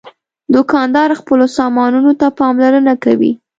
دوکاندار خپلو سامانونو ته پاملرنه کوي.